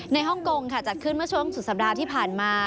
ฮ่องกงค่ะจัดขึ้นเมื่อช่วงสุดสัปดาห์ที่ผ่านมา